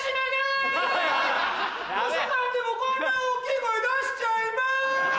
図書館でもこんな大っきい声出しちゃいます！